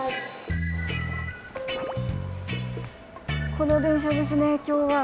この電車ですね今日は。